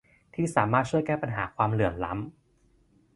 ที่สามารถช่วยแก้ปัญหาความเหลื่อมล้ำ